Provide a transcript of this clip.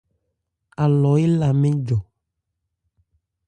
Alɔ éla mɛ́n jɔ.